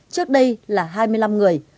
trước đây là hai mươi năm người